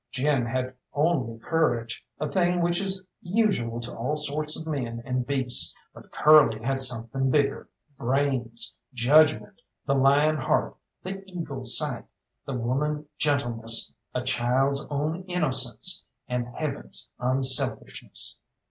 Jim had only courage, a thing which is usual to all sorts of men and beasts, but Curly had something bigger brains, judgment, the lion heart, the eagle sight, the woman gentleness, a child's own innocence, and heaven's unselfishness.